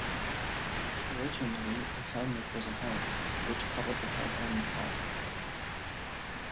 Originally a "helmet" was a helm which covered the head only partly.